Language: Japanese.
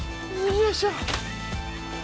よいしょ。